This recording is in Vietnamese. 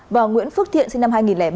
và nguyễn phước thiện sinh năm hai nghìn ba